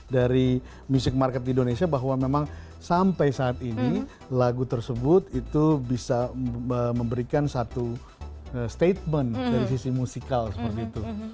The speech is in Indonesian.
dari music market di indonesia bahwa memang sampai saat ini lagu tersebut itu bisa memberikan satu statement dari sisi musikal seperti itu